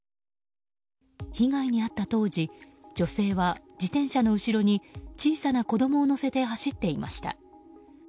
被害に遭った当時、女性は自転車の後ろに小さな子供を乗せて走っていました。